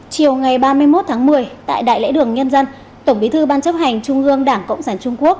chiều ngày ba mươi một tháng một mươi tại đại lễ đường nhân dân tổng bí thư ban chấp hành trung ương đảng cộng sản trung quốc